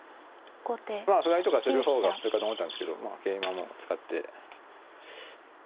歩合いとかする方が普通かと思ったんですけどまあ桂馬も使って。